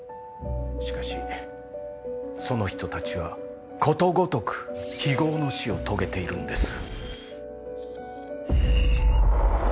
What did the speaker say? しかしその人たちはことごとく非業の死をとげているんです。